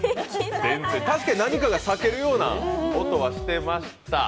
確かに何かが裂けるような音はしてました。